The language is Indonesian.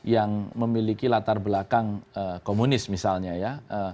yang memiliki latar belakang komunis misalnya ya